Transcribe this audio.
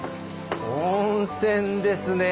温泉ですね。